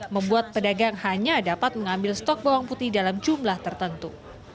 membuat pedagang hanya dapat mengambil stok bawang putih dalam jumlah tertentu